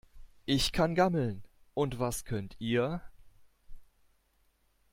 Ich kann gammeln. Und was könnt ihr?